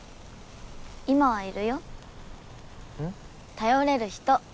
頼れる人！